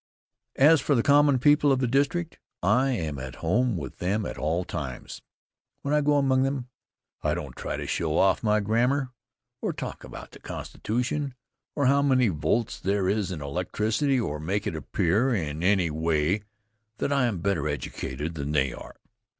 As for the common people of the district, I am at home with them at all times. When I go among them, I don't try to show off my grammar, or talk about the Constitution, or how many volts there is in electricity or make it appear in any way that I am better educated than they are.